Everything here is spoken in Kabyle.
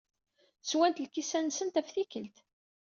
Swant lkisan-nsent ɣef tikkelt.